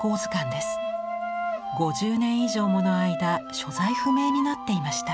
５０年以上もの間所在不明になっていました。